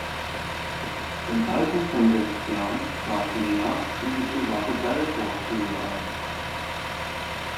Im Alter von sechs Jahren trat Leah in die private Balfour School ein.